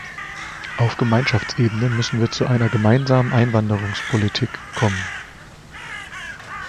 Auf Gemeinschaftsebene müssen wir zu einer gemeinsamen Einwanderungpolitik kommen.